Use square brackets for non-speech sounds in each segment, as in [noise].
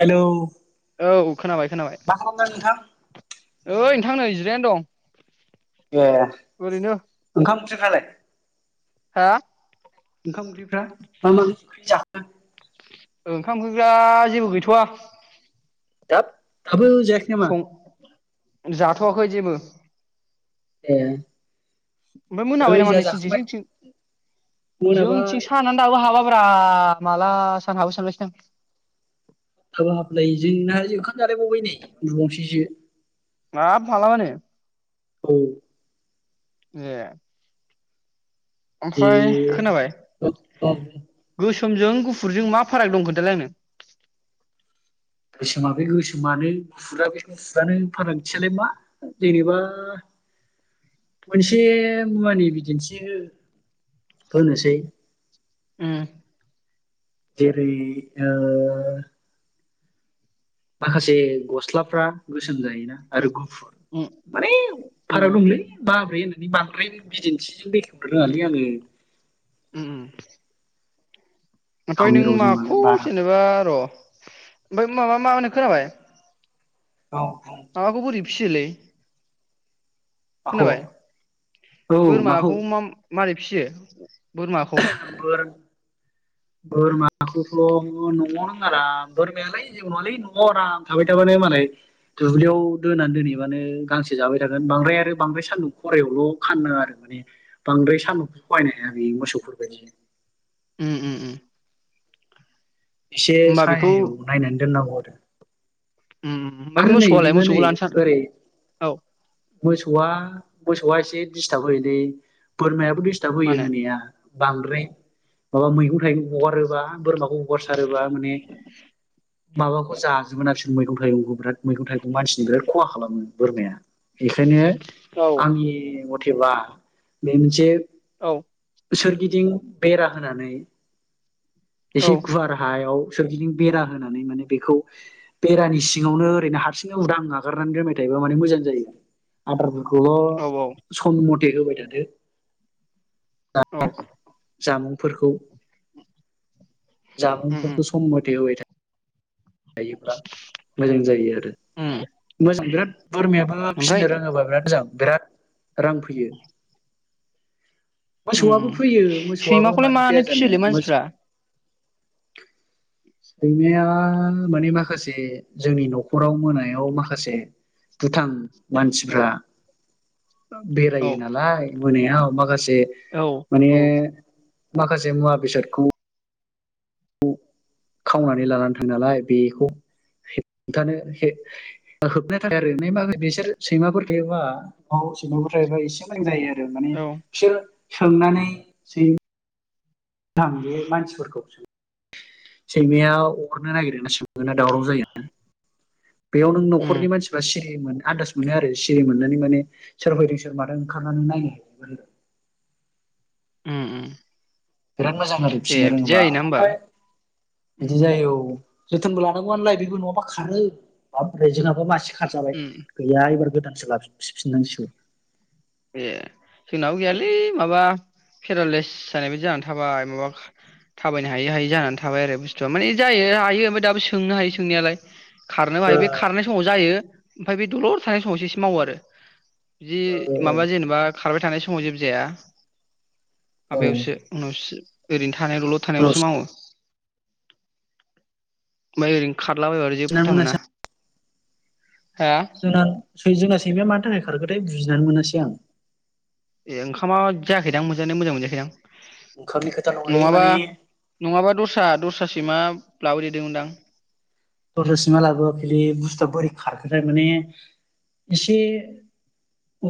Hello औ खोनाबाय खोनाबाय मा खालामदों नोंथां? थां नै जिरायनानै दं। ए ओरैनो ओंखाम [unintelligible] हा ओंखाम ओंख्रिफ्रा मा मा ओंख्रि जा [inaudible] ओंखाम ओंखिफ्रा जेबो गैथ'वा दाब दाबो जायाखै नामा? सं जाथ'वाखै जेबो ए ओमफाय मोनाबाय नै नामा जोंहा नोंसिनथिं जाखांबाय जोंथिं मोनाबाय जोंथिं सानानो दाबो हाबाब्रा माला सान हाबो सानगासिनो आं। दाबो हाबलाय जोंना ओंखाम जालायबावबाय नै उन्दुबावसैसो माब मालाबानो? औ ए ए ओमफ्राय सोमजों गुफुरजों मा फाराग दं खोन्थालाय आंनो? गोसोमा बे गोसोमानो गुफुरा बे गुफुरानो फारागथियालाय मा जेनेबा मोनसे मुवानि बिदिन्थि हो होनोसै। उ जेरै ओ माखासे गस्लाफ्रा गोस सोम जायोना आरो गुफुर उम माने उम फाराग दंलै माब्रै हो बांद्राय बिदिन्थिजों बेखेवनो रोङालै आङो। उ उम ओमफाय गावनि नों रावजों मालाय माखौ बारा जेनेबा र' ओमफाय माबा मा होनो खोनाबाय? औ माबाखौ बोरै फियोलै खोनाबाय बुं माखौ औ माखौ बोरमाखौ मा मारै फियो बोरमाखौ बोर बोरमाखौथ' न'आव नों आराम बोरमायालाय जेबो नङालै न'आव आराम थाबाय थाबानो मालाय दुब्लियाव दोनानै दोनहैबानो गांसो जाबाय थागोन बांद्राय आरो बांद्राय सान्दुं खरायावल' खानो नाङा आरो माने बांद्राय सान्दुंखौ सहायनो हाया बे मोसौ फोरबादि उ उ उ इसे होमबा बेखौ सायायाव उम नायनानै दोननांगौ आरो उम होमबा बे आरो नै मोसौआलाय नोङो मोसौखौ नै लानो सान ओरै औ मोसौआ मोसौआ एसे दिसथाब होयोलै बोरमाया दिसथाब मा होयो होनो होनाया। बांद्राय माबा मैगं थाइगं हगारोबा बोरमाखौ हगारसारोबा माने माबाखौ जाजोबगोनना बेसोर मैगं थाइगंखौ। बिराद मैगं थाइगं मानसिनि बिराद खहा खालामो। बोरमाया। बेखायनो औ आंनि मथैबा बे मोनसे औ सोरगिदिं बेरा होनानै औ एसे गुवार हायाव सोरगिदिं बेरा होनानै माने बेखौ बेरानि सि यावनो ओरैनो हारसिंनो उदां नागारनानै दोनबाय थायोबा माने मोजां जायो। आदार औ खौल' सम थै होबाय थादो। औ जामुंफोरखौ उम उम जामुंफोरफोरखौ सम मथे होबाय जायोब्ला मोजां जायो आरो उम मोजां बिराद बोरमायाबो ओमफ्राय फिसिनो रोङोबा बिराद मोजां। बिराद रां फैयो। उम मोसौआबो उम फैयो मोसौआआबो सैमाखौलाय मानो फैया फियोलै जानो मानसिफ्रा सैमाया माने माखासे जोंनि न'खराव मोनायाव माखासे दुथां औ मानसिफ्रा बेरायो औ नालाय मोनायाव। [unintelligible] बे औ माने औ माखासे मुवा बेसादखौ खावनानै लानानै थाङो नालाय। बेखौ होबथानो होबथ थाब आरो बिसोर सैमाफोर थायोबा सैमाफोर थायोबा एसे मोजां जायो आरो। ओ माने औ सोंनानै सै आं बे मानसिफोरखौ सैमाया अरनो नागिरोना सोङोना दावराव जायो। बेयाव नों उम न'खरनि मानसिफ्रा सिरि मोनो। आनदास मोनो आरो सिरि मोननानै माने सोर फैयदों सोर मादों ओंखारनानै नायो। उ उम बिराद मोजां आरो ए फिसिनो बिदि रोङोबा जायोना होमबा ओमफ्राय बिदि उम जायो औ। जोथोनबो लानांगौआ नलाय बेबो नङाबा खारो ओमफ्राय जोंनाबो मासे खारजाबाय उम गैया एबार गोदानसो लाफिन सिननांसिगौ। ए जोंनाबो गैयालै माबा पेरालाइस जानाय बादि जानानै थाबाय, माबा थाबायनो हायै हायै जानानै थाबाय आरो बुस्थुआ माने जायो हायो ओमफ्राय दाबो सोंनो हायो सोंनायालाय। खारनोबो ओ हायो बे खारनाय समाव जायो। ओमफाय बे दलर थानाय समावसो एसे मावो आरो जि माबा ओ जेनेबा खारबाय थानाय समाव जेबो जाया। औ आबायावसो उनावसो ओरैनो थानायलल' उनाव थानायावसो मावो। ओमफाय ओरै खारला बायबा जेबो फाथा मोना। हा सुनां सै जोंना सैमाया मानि थाखाय खारगोन बै बुजिनानै मोनासै आं। ए ओंखामा जायाखैदां मोनजानाया मोजां मोनजायाखैदां? ओंखारनि खोथा नङालै नङाबा माने नङाबा दस्रा दस्रा सैमा लाबो हैदोंमोनदां? दस्रा सैमा लाबोआखैलै बुस्थुआ बोरै खारखोथाय माने एसे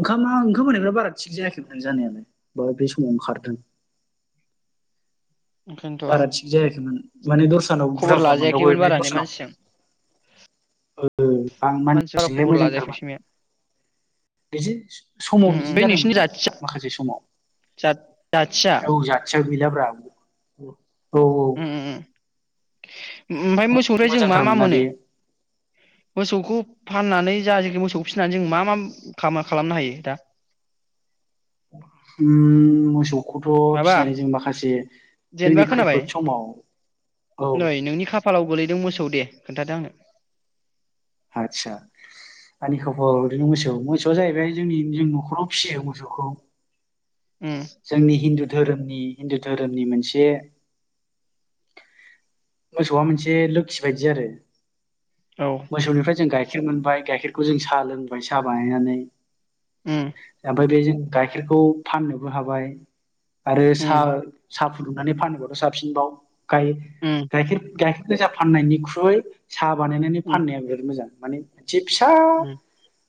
ओंखामा ओंखाम होनायफोरा बारा थिग जायाखैमोन जानायालाय, बाय बे समावनो खारदों। ओंखायनोथ' बारा थिग जायाखैमोन। माने दस्रानाव बुरजा खबर बुरजा मोनदावबाय लाजायाखैमोन बे बारा ने दसानाव। मानसिजों ओ ओ आं मानसि बारा मानसिजोंलाय खबर लाजायाखै मोजांथारमोन। सैमाया बिदि समाव उम उम बिदिनो बै नोंसिनि जादोंमोनदां जाथिया माखासे समाव। जा जाथिया औ जाथियाव गै जाब्राब ओ औ औ उम उम ओमफाय मोसौरि जों मा मा मोजांथारमोनना मोनो? बे मोसौखौ फाननानै जा जिखो मोसौखौ फिसिनानै जों मा मा खामो खालामनो हायो दा? उम मोसौ खौथ' माबा फिसिनानै जों माखासे जेनेबा जोंनि खोनाबाय खैफोद समाव, औ खा फालाव गोलैदों मोसौ दे खोन्थादो आंनो। आदसा आंनि खबर ओरैनो मोसौ मोसौआ जाहैबाय जोंनि जों न'खराव फिसियो मोसौखौ। उम जोंनि हिन्दु धोरोमनि हिन्दु धोरोमनि मोनसे मोसौआ मोनसे लोखि बायदि आरो औ मोसौनिफ्राय जों गाय खेर मोनबाय गाइखेरखौ जों साह लोंबाय साह बानायनानै उम ओमफाय बे जों गाइखेरखौ फाननो बो हाबाय आरो उम साह साह फुदुंनानै फानोबाथ साबसिनबाव गाय उम गायखेर गाय गोजा फाननायनिख्रुइ साहा बानायनानै फाननाया बिराद मोजां माने जि फिसा ओम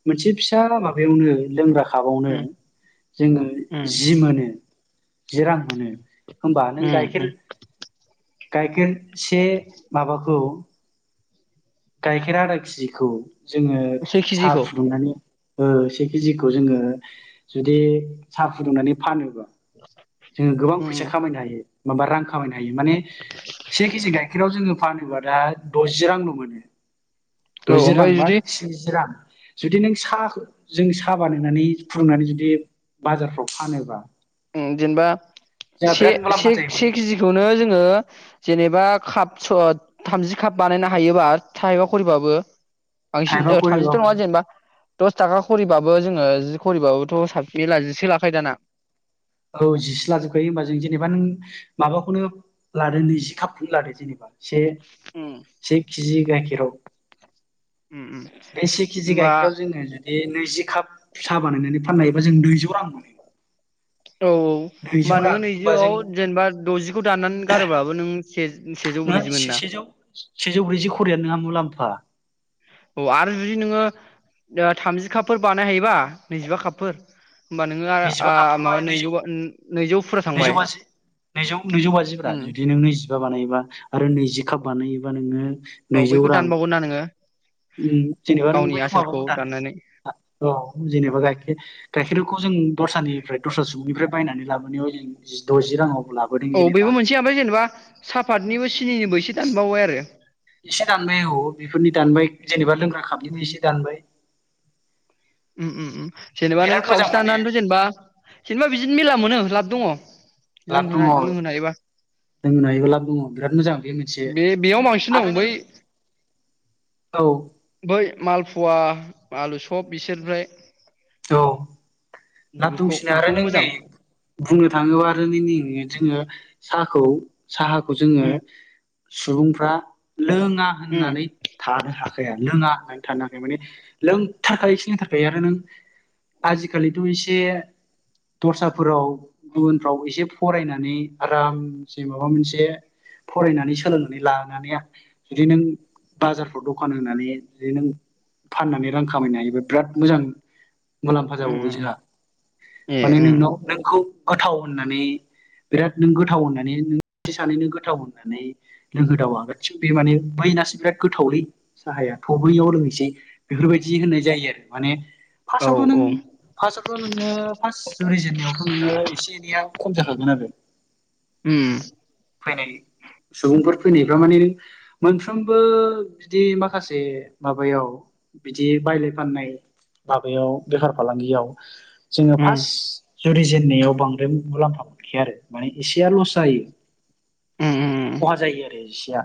मोनसे फिसा माबायावनो लोंग्रा हाबावनो उम जोङो उम जि मोनो जि रां मोनो होमबा नों उम गाइखेर उम गायखेर से माबाखौ गाइखेर आधा खिजिखौ जोङो से साहा केजिखौ फुदुंनानै ओ से केजिखौ जोङो जुदि साह फुदुंनानै फानोबा जोङो गोबां उम फैसा खामायनो हायो माबा रां खामायना हायो माने से केजि गाइखेर आव जोङो फानोबा दा द'जि रांल मोनो औ दजि रां ओमफ्राय बा जुदि स्निजि रां जुदि नों साह जों साह बानायनानै फुदुंनानै जुदि बाजारफ्राव फानोबा जेनेबा जोंहा से बिराद से मुलाम्फा जायो से माने केजिखौनो जोङो जेनेबा खाप स थामजि खाप बानायनो हायोबा थाइबा खरिबाबो बांसिन थाइबा थामजिथ' खरिबाबो नङा जों जेनेबा दस थाखा खरिबा बो जोङो जि खरिबाबोथ' साब [unintelligible] जि सो लाखायो दाना औ जिसो लाजोबखायो होमबा जों जेनेबा नों माबाखौनो लादो नैजि खापखौनो लादो जेनेबा से उम से खिजि गाइखे उम उम [unintelligible] बे से केजि होमबा गाइखेराव जोङो जुदि बे नैजि काप सा बानायनानै फाननो हायोबा जों नैजौ रां मोनो। औ औ होमबा नैजौ नोङो रां होमबा जों नैजौआव जेनेबा द'जिखौ दाननानै गारोबाबो नों से-सेजौ ब्रैजि मोनो ना। सेजौ फा। औ आरो जुदि नोङो ओ थामजि कापफोर बानाय हायोबा नैजिबा कापफोर होमबा नोङो आरो आ नैजिबा माबा कापफोरबालाय नैजौ नैजौ फुरा नैजौ थांबाय बाजि नैजौ नैजौ बाजिब्रा उम जुदि नों नैजि बा बानायोबा आरो नैजि काप बानायोबा नोङो औ नैजौ बैखौ रां दानबावगोन ना नोङो उम जेनेबा नों गावनि बैखौ आसोलखौ माबाबो दाननानै दानदो औ जेनेबा गाइखेर गाइखेरखौ जों दस्रानिफ्राय दस्रा सुबुंनिफ्राय बा बायनानै लाबोनायाव जों जि द'जि रांआव औ बेबो मोनसे ओमफ्राय जेनेबा सा फादनिबो सि सिनिनिबो एसे दानबावबाय आरो। एसे दानबाय औ बेफोरनि दानबाय जेनेबा लों कापनिबो उम एसे दानबाय उम उम उम। जेनेबा नों बिराद मोजां खावसे माने दानानैथ' जेनेबा जेनेबा बिदिनो मेरला मोनो लाब दङ'। लाब दङ' लोंहोनाय हायोबा लोंहोनो हायोबा लाब दङ'। बिराद मोजां बे मोनसे बे बेयाव बांसिन दं आरो नों बै औ। बै माल फुवा आलु सब बिसोरनिफ्राय औ लाब बेफोरखौ दंसिनो आरो बेखौबो नों नै मोजां बुंनो थाङोबा आरो नों नै जोङो साहाखौ साहाखौ जोङो उम सुबुंफ्रा लोङा उम होननानै थानो हाखाया लोङा थानोहाखाया माने लोंथारखायो खि लोंथारखायो आरो नों आजिखालिथ' एसे दस्राफोराव गुबुनफ्राव एसे फरायनानै आरामसे माबा मोनसे फरायनानै सोलोंनानै लानानै आरो जुदि नों बाजारफ्राव दखान होनानै जुदि नों फाननानै रां खामायनो हायोबा बिराद मोजां मुलाम्फा उम जाबावो उम जोंहा। ए माने उम नोंनाव नोंखौ गोथाव होननानै बिराद नों गोथाव होननानै नों सानैनि गोथाव होननानै लोंहोदावबा गासिबो बे माने बैनासो बिराद गोथावलै साहाया थ' बैयाव लोंहैसै बेफोरबायदि होननाय जायो आरो माने औ फार्स्टआवथ' नों औ फार्स्टआवथ' नोङो फार्स्ट जुरिजेननायावथ' नोङो एसे एनैया होनजाखागोन आरो। उम। फैनाय सुबुंफोर फैनायफ्रा माने नों मोनफ्रोमबो बिदि माखासे माबायाव बिदि बायलाय फाननाय माबायाव बेफार फालांगियाव जोङो उम फास जुरि जेननायाव बांद्राय मुलाम्फा मोनखाया आरो माने एसेया लस जायो। उम खहा जायो आरो इसिया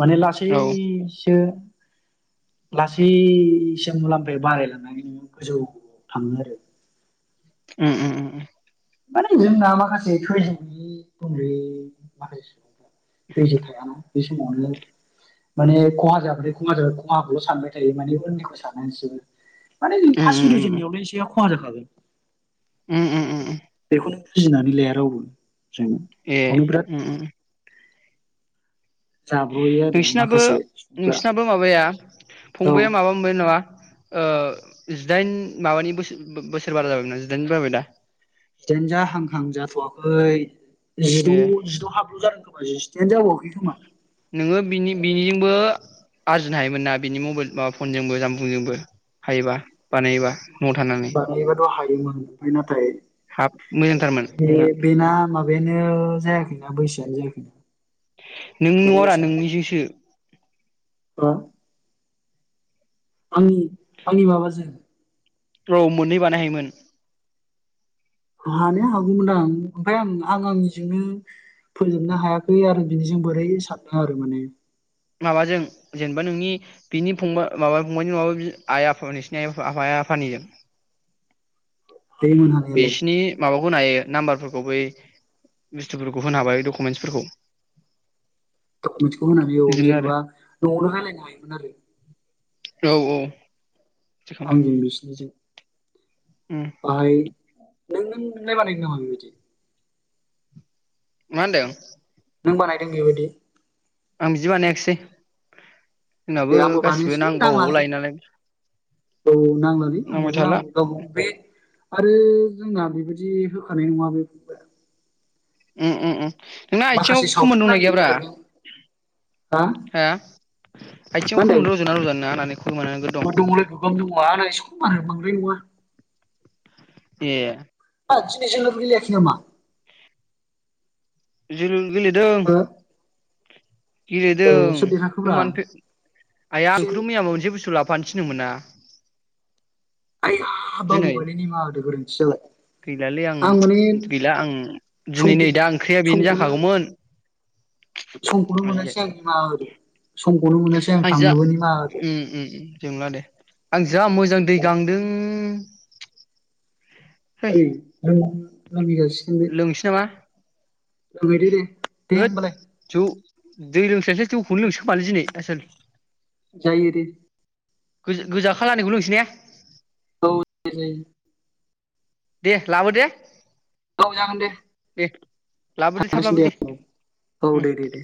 माने औ लासैसो लासैसो मुलाम्फाया बारायलांनानै गोजौ थाङो आरो। उम उम उम। माने जोंना माखासे धैज' गोयै उन्दै माखासे सुबुं धैज' थायाना बे समावनो माने खहा जाबाथाय खहा जाब खहाखौल' सानबाय थायो माने उननिखौ साना एसेबो। माने उम फास उम खुलिजेनायावलाय इसे खहा जाखागोन। उम उम उम। बेखो बुजिनानै लाया रावबो जों एह बेयावनो बिराद उम उम। जाब्र'यो आरो नोंसिनाबो माखासेफ्रा नोंसिनाबो माबाया औ फंबाया माबा मोनबाय नामा? ओ जिदाइन माबानि बोसो बो-बो-बोसोर बारा जाबायमोनना जिदाइन बारबाय दा? जिदाइन जा हांहां जाथ'वाखै। जिद' ए जिद' हाबल जादों [unintelligible] खोमा नोङो बिनि बिनिजोंबो आरजिनो हायोमोन ना बिनि मबेल माबा फनजोंबो जामबुंजोंबो हायोबा बानायोबा न'आव थानानै बानायनोथ' हायो ओमफाय नाथाय हाफ मोजांथारमोन नोंना बियो जायाखैना बैसोआनो जायाखैना। नों न'ङारा नोंनिजोंसो र'आंनि आंनि माबाजों औ मोननै बानाय हायोमोन। हानो हागौमोन आं ओमफ्राय आं आं आंनिजोंनो फोजोबनो हायाखै आरो बिनिजों बोरै सानदों आरो माने। माबाजों जेनेबा नोंनि बिनि फंबा माबा फंबायनि नङाबा बि आइ आफा नोंसिनि आइ आफा आफा आफानिजों बै मोनहानियालाय बिसिनि माबा खौ होनो हायो नाम्बारफोरखौ बै बुस्थुफोरखौ होनो हाबाय दकुमेन्सफोरखौ मोनसेखौ होनो हायो औ जेनेबा न'आवनो रायलायनो हायोमोन आरो। औ औ। बिदि खालामबायमोन आंजों बिसिनिजों। उम बाहाय [unintelligible] मा होनदों नों बानायदों बेबायदि आं बिदि बानायाखिसेै दे आंबो बानायनोसै नांलालै औ नांलालै नांबाय आंनोबो आं थाला गाव बे आरो जोंना बेबायदि होखानाय नङा उम उम उम। नोंना आथिङाव माखासे खोमोन सावथुन दंना नायनो गैयाब्रा नागिरनो हा हो मा आथिङाव खोमोन होनदों रज'यो ना रजआ नोंना आंना खोमोनानो नोगोर दं। है नङा ए ओइ दिनै जोलुर गेलेआखै नामा जों गेलेदों। हो ए गेलेदों सोर नों देरहाखोब्रा मानो फैया आइया फिन नोंखौथ' मैया मोनसे बुस्थु लाबो फानो थिनदोंमोन ना आइया दिनै बावबोबायलै निमाहा होदो गोरोन्थि जाबाय गैलालै आं गैला आं दिनै समखौ नै दा ओंख्रिया बेनो समखौनो जाखागौमोन। समखौनो मोनासै आं निमाहा होदो समखौनो मोनासै आं आ जा थांनोबो निमाहा होदो उम उम जेबो नङा दे [unintelligible] जा मोजां दै औ गांदों है ओइ औ लोंसै नामा [unintelligible] फैबाय था दे दे होद होमबालाय जौ दै लोंस्लायस्लाय जौखौनो लोंनोसै खोमालै दिनै आसोल जायो दे। गो-गोजा खालारनिखौ लोंसै ने औ जायो। दे लाबो दे औ जागोन दे दे लाबोदो थाब थांगांगासिनो लाबोदो दे औ औ उम दे दे दे।